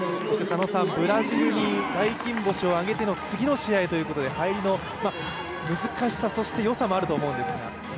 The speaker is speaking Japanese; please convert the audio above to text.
ブラジルに大金星を挙げての次の試合ということで入りの難しさ、そして良さもあると思うんですが。